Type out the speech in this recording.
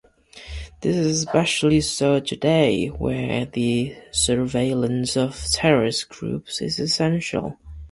This is especially so today, where the surveillance of terrorist groups is essential.